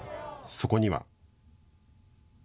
そこには。